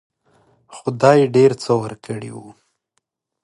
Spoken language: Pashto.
خدای ډېر څه ورکړي وو.